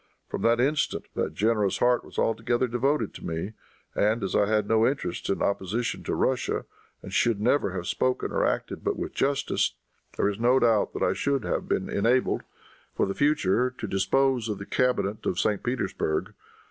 From that instant that generous heart was altogether devoted to me, and, as I had no interest in opposition to Russia, and should never have spoken or acted but with justice, there is no doubt that I should have been enabled, for the future, to dispose of the cabinet of St. Petersburg.